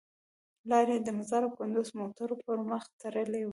لار یې د مزار او کندوز موټرو پر مخ تړلې وه.